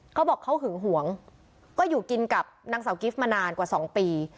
เขาบอกเขาหึงหวงก็อยู่กินกับนางสาวกิฟต์มานานกว่า๒ปี